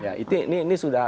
ya ini ini sudah